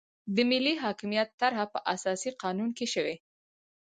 د ملي حاکمیت طرحه په اساسي قانون کې شوې.